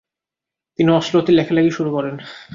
তিনি অসলোতে লেখালেখি শুরু করেন।